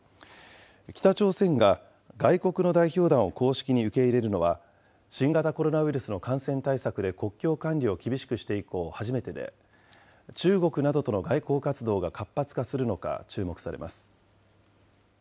北朝鮮が外国の代表団を公式に受け入れるのは、新型コロナウイルスの感染対策で国境管理を厳しくして以降、初めてで、中国などとの外交活動が活発化するのか注目されます。